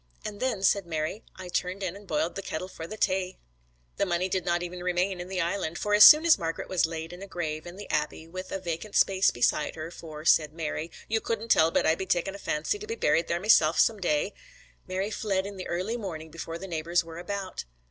And then,' said Mary, 'I turned in an' boiled the kettle for the tay.' The money did not even remain in the Island, for as soon as Margret was laid in a grave in the Abbey with a vacant space beside her, for, said Mary, 'you couldn't tell but I'd be takin' a fancy to be buried there myself some day,' Mary fled in the early morning before the neighbours were about.